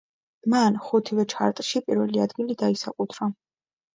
მან ხუთივე ჩარტში პირველი ადგილი დაისაკუთრა.